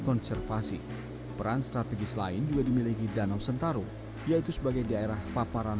konservasi peran strategis lain juga dimiliki danau sentarum yaitu sebagai daerah paparan